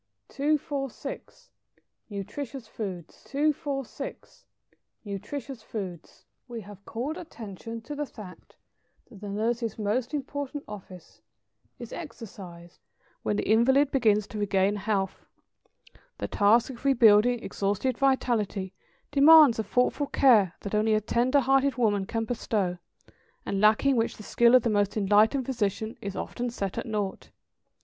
246. =Nutritious Foods.= We have called attention to the fact that the nurse's most important office is exercised when the invalid begins to regain health; the task of rebuilding exhausted vitality demands a thoughtful care that only a tender hearted woman can bestow; and lacking which the skill of the most enlightened physician is often set at naught.